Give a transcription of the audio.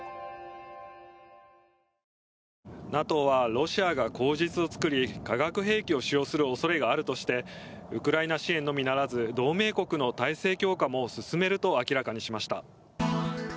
ＮＡＴＯはロシアが口実を作り化学兵器を使用する恐れがあるとしてウクライナ支援のみならず同盟国の体制強化も進めると明らかにしました。